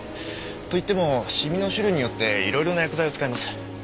といってもシミの種類によって色々な薬剤を使います。